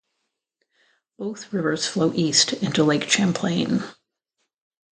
Both rivers flow east into Lake Champlain.